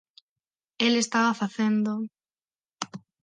El estaba facendo...